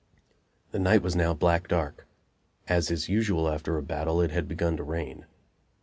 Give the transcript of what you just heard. The night was now black dark; as is usual after a battle, it had begun to rain.